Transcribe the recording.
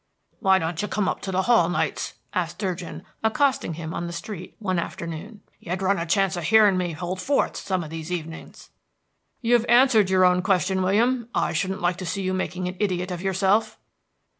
"Why don't you come up to the hall, nights?" asked Durgin, accosting him on the street, one afternoon. "You'd run a chance of hearing me hold forth some of these evenings." "You've answered your own question, William. I shouldn't like to see you making an idiot of yourself."